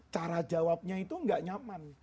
cara jawabnya itu nggak nyaman